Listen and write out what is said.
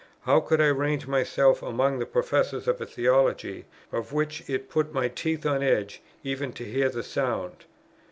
how could I range myself among the professors of a theology, of which it put my teeth on edge even to hear the sound?